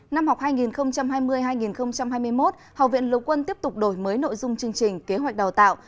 năm học hai nghìn hai mươi hai nghìn hai mươi một học viện lục quân tiếp tục đổi mới nội dung chương trình kế hoạch đào tạo